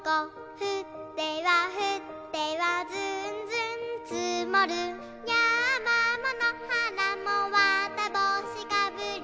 「ふってはふってはずんずんつもる」「やまものはらもわたぼうしかぶり」